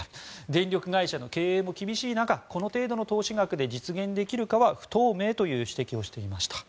電力会社の経営も厳しい中この程度の投資額で実現できるかは不透明という指摘をしていました。